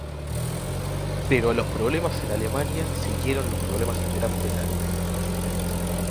Pero a los problemas en Alemania siguieron los problemas en Gran Bretaña.